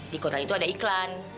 di kota itu ada iklan